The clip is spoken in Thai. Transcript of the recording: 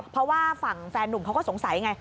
เพราะว่าฝั่งแฟนหนุ่มเขาก็สงสัยไง